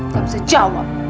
gak bisa jawab